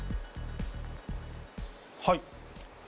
はい。